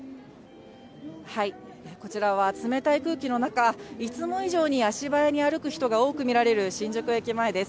こちらは冷たい空気の中、いつも以上に足早に歩く人が多く見られる新宿駅前です。